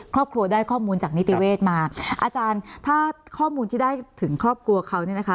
ครอบครัวได้ข้อมูลจากนิติเวศมาอาจารย์ถ้าข้อมูลที่ได้ถึงครอบครัวเขาเนี่ยนะคะ